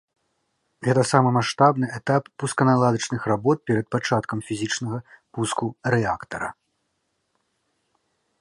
Гэта самы маштабны этап пусканаладачных работ перад пачаткам фізічнага пуску рэактара.